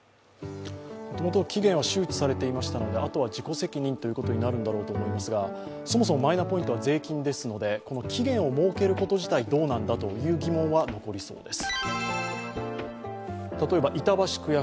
もともと期限は周知されていましたのであとは自己責任ということになるんだろうと思いますがそもそもマイナポイントは税金ですので期限を設けること自体どうなんだという疑問は残りそうです。